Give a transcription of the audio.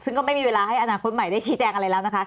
ซึ่งก็ไม่มีเวลาให้อนาคตใหม่ได้ชี้แจงอะไรแล้วนะคะ